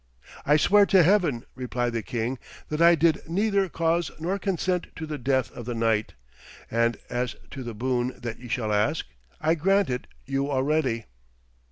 'I swear to Heaven,' replied the king, 'that I did neither cause nor consent to the death of the knight; and as to the boon that ye shall ask, I grant it you already.'